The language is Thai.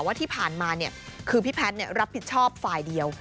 ว่าที่ผ่านมาคือพี่แพทย์รับผิดชอบฝ่ายเดียว